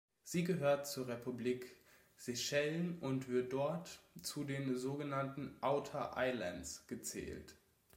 Sie gehört zur Republik Seychellen und wird dort zu den sogenannten Outer Islands gezählt.